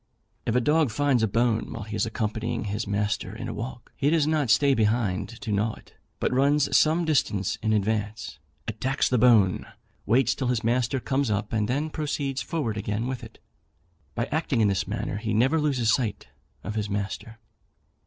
If a dog finds a bone while he is accompanying his master in a walk, he does not stay behind to gnaw it, but runs some distance in advance, attacks the bone, waits till his master comes up, and then proceeds forward again with it. By acting in this manner, he never loses sight of his master.